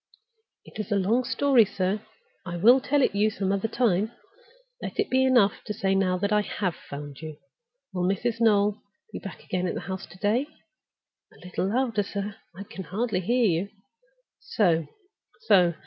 "It is a long story, sir; I will tell it you some other time. Let it be enough to say now that I have found you. Will Mrs. Noel be back again at the house to day? A little louder, sir; I can hardly hear you. So! so!